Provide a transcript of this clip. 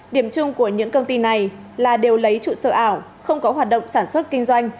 điểm chung của những công ty này là đều lấy trụ sở ảo không có hoạt động sản xuất kinh doanh